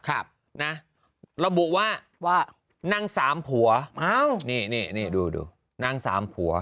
ครับนะระบุว่าว่านางสามผัวอ้าวนี่นี่ดูดูนางสามผัว